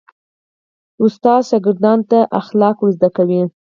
ښوونکي شاګردانو ته اخلاق ور زده کوي.